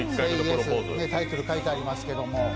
タイトル書いてありますけども。